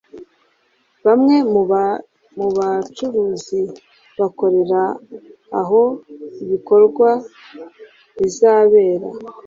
bamwe mu bacuruzi bakorera aho bikorwa rizabera